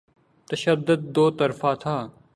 تشدد دوطرفہ تھا۔